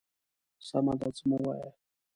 _سمه ده، څه مه وايه.